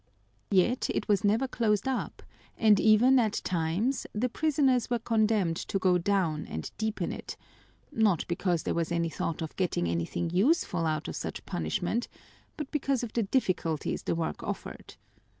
Yet it was never closed up, and even at times the prisoners were condemned to go down and deepen it, not because there was any thought of getting anything useful out of such punishment, but because of the difficulties the work offered.